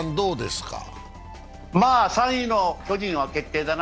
３位の巨人は決定だな。